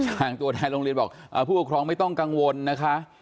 นี่ค่ะช่างตัวใดโรงเรียนบอกผู้ปกครองไม่ต้องกังวลนะคะ